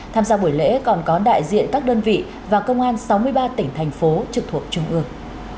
tham gia buổi lễ còn có đại diện các đơn vị và công an sáu mươi ba tỉnh thành phố trực thuộc trung ương